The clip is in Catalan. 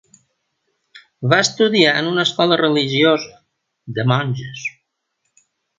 Va estudiar en una escola religiosa, de monges.